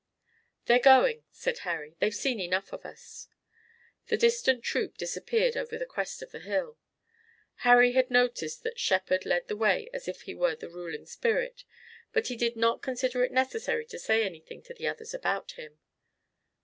"They're going," said Harry. "They've seen enough of us." The distant troop disappeared over the crest of the hill. Harry had noticed that Shepard led the way as if he were the ruling spirit, but he did not consider it necessary to say anything to the others about him.